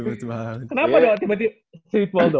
cepet banget kenapa tiba tiba